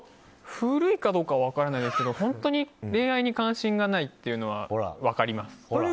古いかどうかは分からないですけど本当に恋愛に関心がないというのは分かります。